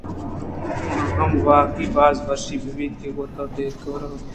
من ءَ ھم واکی باز وشی بیت کہ گوں تو ڈیک وارت۔